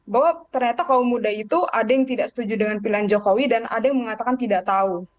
bahwa ternyata kaum muda itu ada yang tidak setuju dengan pilihan jokowi dan ada yang mengatakan tidak tahu